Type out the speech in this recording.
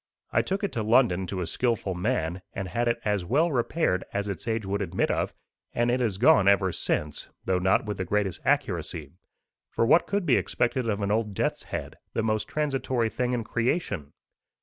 I took it to London to a skilful man, and had it as well repaired as its age would admit of; and it has gone ever since, though not with the greatest accuracy; for what could be expected of an old death's head, the most transitory thing in creation?